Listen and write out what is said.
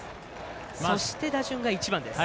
そして、打順が１番です。